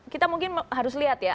kita mungkin harus lihat ya